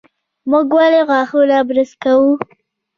موږ ولې غاښونه برس کوو؟